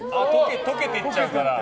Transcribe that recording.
溶けていっちゃうから。